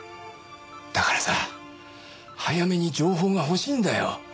だからさ早めに情報が欲しいんだよ。